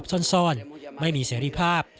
ก็ต้องหลบซ่อนไม่มีเสียรีภาพ